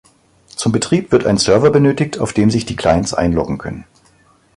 Zum Betrieb wird ein Server benötigt, auf dem sich die Clients einloggen können.